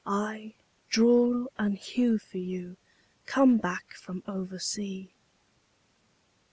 —aye, draw and hew for you, Come back from oversea."